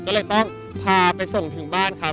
ก็เลยต้องพาไปส่งถึงบ้านครับ